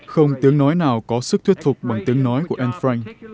không tiếng nói nào có sức thuyết phục bằng tiếng nói của anne frank